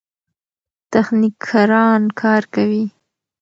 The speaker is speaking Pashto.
تخنیکران کار کوي.